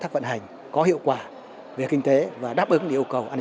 và quốc phòng an ninh